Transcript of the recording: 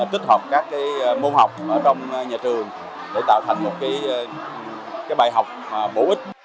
tích hợp các môn học trong nhà trường để tạo thành một bài học bổ ích